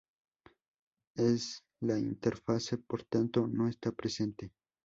En la interfase, por tanto, no está presente.